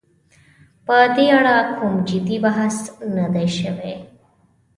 په دې اړه کوم جدي بحث نه دی شوی.